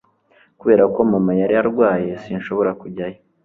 Kubera ko mama yari arwaye sinshobora kujyayo